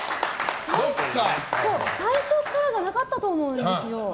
最初からじゃなかったと思うんですよ。